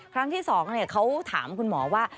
ครั้งที่๒เขาถามคุณหมอว่า